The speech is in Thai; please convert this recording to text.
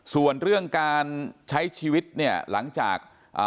ส่วนเรื่องการใช้ชีวิตหลังจาก